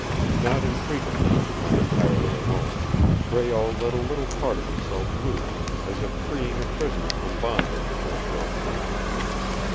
Not infrequently, when entirely alone, Breault let a little part of himself loose, as if freeing a prisoner from bondage for a short time.